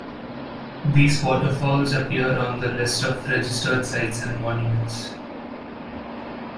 These waterfalls appear on the list of registered sites and monuments.